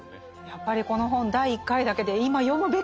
やっぱりこの本第１回だけで今読むべき本ですね。